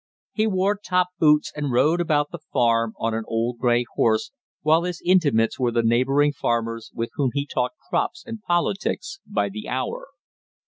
He wore top boots and rode about the farm on an old gray horse, while his intimates were the neighboring farmers, with whom he talked crops and politics by the hour.